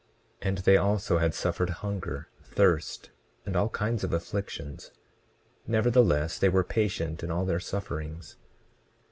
And they also had suffered hunger, thirst, and all kinds of afflictions; nevertheless they were patient in all their sufferings.